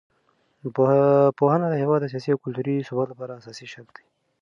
پوهنه د هېواد د سیاسي او کلتوري ثبات لپاره اساسي شرط دی.